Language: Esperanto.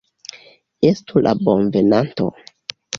Estu la bonvenanto!